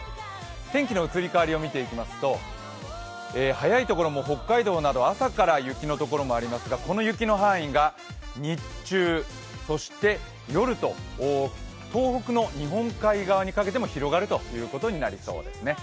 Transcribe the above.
天気の移り変わりを見ていきますと、早いところで北海道なども朝から雪の所もありますがこの雪の範囲が日中、そして夜と東北の日本海側にかけても広がるということになりそうです。